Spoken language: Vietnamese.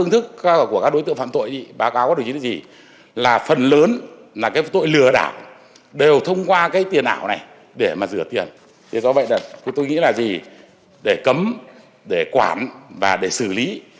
thế do vậy là tôi nghĩ là gì để cấm để quản và để xử lý